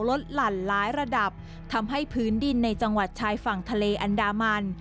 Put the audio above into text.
หลั่นหลายระดับทำให้พื้นดินในจังหวัดชายฝั่งทะเลอันดามัน